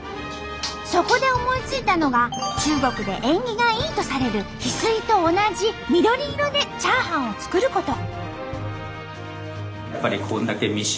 そこで思いついたのが中国で縁起がいいとされる翡翠と同じ緑色でチャーハンを作ること。